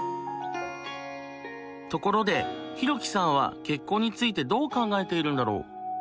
ところでヒロキさんは結婚についてどう考えているんだろう？